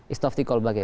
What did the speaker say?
istof tikal bagai